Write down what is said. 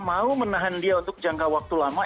mau menahan dia untuk jangka waktu lama